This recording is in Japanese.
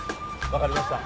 分かりました